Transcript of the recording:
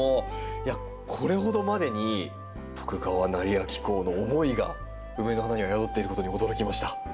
いやこれほどまでに徳川斉昭公の思いがウメの花には宿っていることに驚きました。